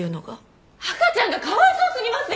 赤ちゃんがかわいそうすぎますよ！